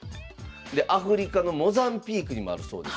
でアフリカのモザンビークにもあるそうです。